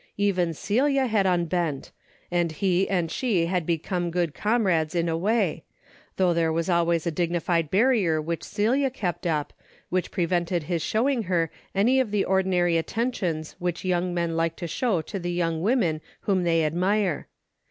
Even Celia had unbent, and he and she had become good comrades in a way, though there was always a dignified barrier which Celia kept up, which prevented his showing her any of the ordinary attentions which young men like to show to the young women whom they admire.